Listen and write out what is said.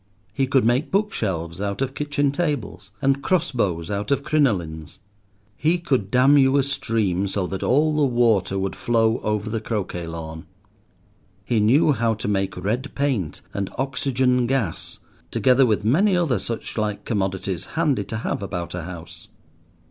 He could make bookshelves out of kitchen tables, and crossbows out of crinolines. He could dam you a stream so that all the water would flow over the croquet lawn. He knew how to make red paint and oxygen gas, together with many other suchlike commodities handy to have about a house.